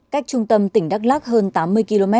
cách trung tâm tỉnh đắk lắc hơn tám mươi km